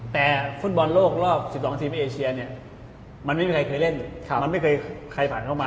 แต่ฟุตบอลโลกรอบ๑๒ทีมเอเชียเนี่ยมันไม่มีใครเคยเล่นมันไม่เคยใครผ่านเข้ามา